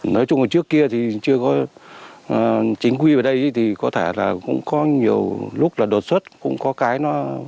nói chung là trước kia thì chưa có chính quy về đây thì có thể là cũng có nhiều lúc là đột xuất cũng có cái nó